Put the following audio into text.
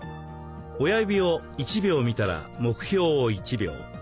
親指を１秒見たら目標を１秒。